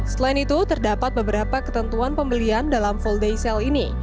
selain itu terdapat beberapa ketentuan pembelian dalam full day sale ini